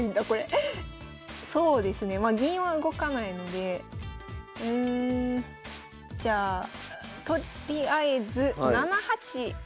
そうですねまあ銀は動かないのでうんじゃあとりあえず７八馬と。